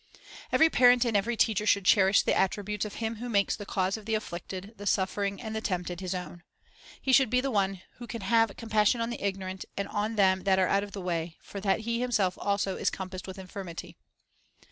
Every parent and every teacher should cherish the attributes of Him who makes the cause of the afflicted, the suffering, and the tempted His own. He should be one who can have "compassion on the ignorant, and on them that are out of the way; for that he himself also is compassed with infirmity."